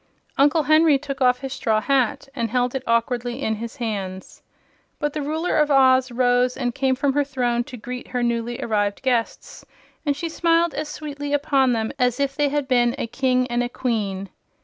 Uncle Henry took off his straw hat and held it awkwardly in his hands. But the Ruler of Oz rose and came from her throne to greet her newly arrived guests, and she smiled as sweetly upon them as if they had been a king and queen.